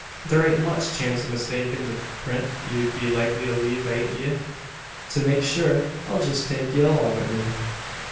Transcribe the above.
Thur ain't much chance o' mistakin' the print you'd be likely to leave ahint ye. To make shur, I'll jest take ye along wi me."